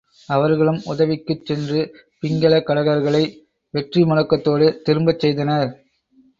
அவர்களும் உதவிக்குச் சென்று பிங்கல கடகர்களை வெற்றி முழக்கத்தோடு திரும்பச் செய்தனர்.